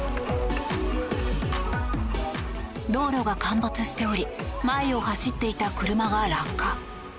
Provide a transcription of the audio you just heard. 道路が陥没しており前を走っていた車が落下。